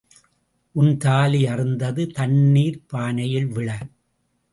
உன் தாலி அறுந்து தண்ணீர்ப் பானையில் விழ.